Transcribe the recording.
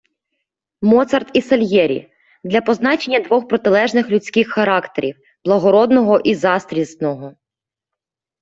Моцарт і Сальєрі - для позначення двох протилежних людських характерів, благородного і заздрісного